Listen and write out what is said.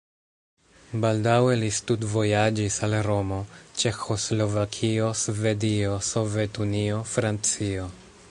Baldaŭe li studvojaĝis al Romo, Ĉeĥoslovakio, Svedio, Sovetunio, Francio.